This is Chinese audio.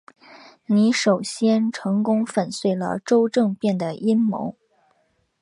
你首先成功粉碎了周政变的阴谋。